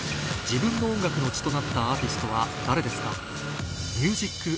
自分の音楽の血となったアーティストは誰ですか？